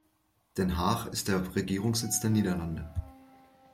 Den Haag ist der Regierungssitz der Niederlande.